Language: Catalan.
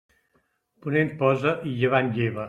Ponent posa i llevant lleva.